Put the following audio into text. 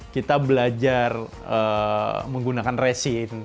kita belajar menggunakan resin